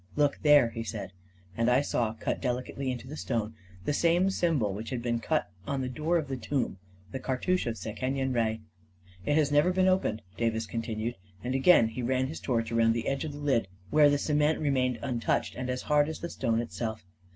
" Look there/ 9 he said, and I saw, cut delicately in the stone, the same symbol which had been cut on the door of the tomb — the cartouche of Sekenyen Re. " It has never been opened," Davis continued, and again he ran his torch around the edge of the lid, where the cement remained un touched and as hard as the stone itself.